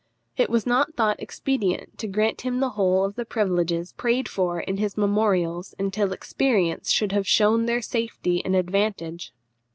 It was not thought expedient to grant him the whole of the privileges prayed for in his memorials until experience should have shewn their safety and advantage.